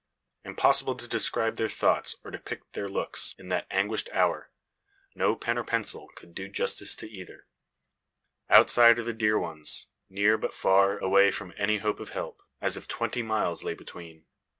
Impossible to describe their thoughts, or depict their looks, in that anguished hour. No pen, or pencil, could do justice to either. Outside are their dear ones; near, but far away from any hope of help, as if twenty miles lay between.